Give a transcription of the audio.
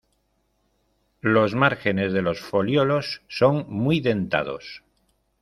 Los márgenes de los folíolos son muy dentados.